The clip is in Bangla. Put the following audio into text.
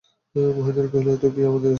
মহেন্দ্র কহিল, এত কি আমাদের স্পর্ধা।